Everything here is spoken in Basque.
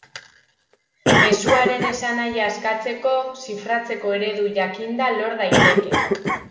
Mezuaren esanahia askatzeko, zifratzeko eredu jakinda lor daiteke.